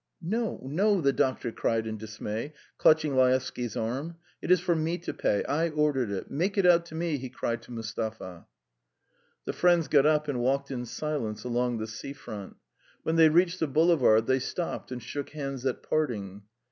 "No, no ..." the doctor cried in dismay, clutching Laevsky's arm. "It is for me to pay. I ordered it. Make it out to me," he cried to Mustapha. The friends got up and walked in silence along the sea front. When they reached the boulevard, they stopped and shook hands at parting.